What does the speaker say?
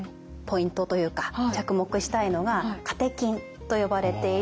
ポイントというか着目したいのがカテキンと呼ばれている栄養素です。